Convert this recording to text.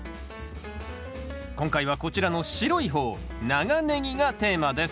今回はこちらの白い方長ネギがテーマです。